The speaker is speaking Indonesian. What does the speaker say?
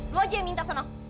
lu aja yang minta sana